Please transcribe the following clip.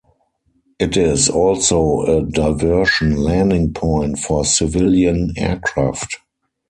It is also a diversion landing point for civilian aircraft.